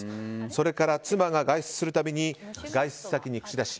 それから妻が外出するたびに外出先に口出し。